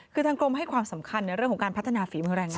คือทางกรมให้ความสำคัญในเรื่องของการพัฒนาฝีมือแรงงาน